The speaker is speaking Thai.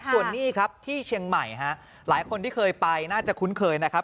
ส่วนนี้ครับที่เชียงใหม่ฮะหลายคนที่เคยไปน่าจะคุ้นเคยนะครับ